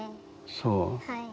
そう。